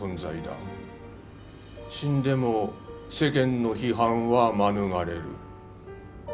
死んでも世間の批判は免れる。